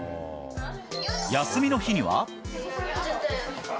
休みの日には。